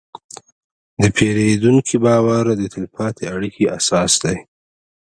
د پیرودونکي باور د تل پاتې اړیکې اساس دی.